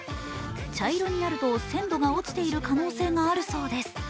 茶色になると鮮度が落ちている可能性があるそうです。